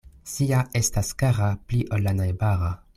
Sia estas kara pli ol la najbara.